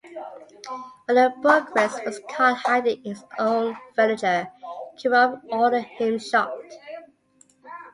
When a bourgeois was caught hiding his own furniture, Kirov ordered him shot.